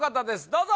どうぞ